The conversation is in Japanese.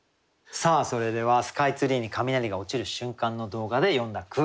それではスカイツリーに雷が落ちる瞬間の動画で詠んだ句。